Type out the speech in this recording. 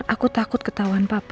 aku takut ketauan papa